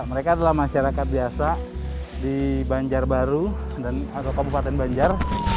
mereka adalah masyarakat biasa di banjarbaru atau kabupaten banjar